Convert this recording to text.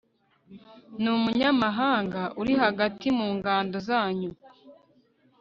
n umunyamahanga uri hagati mu ngando zanyu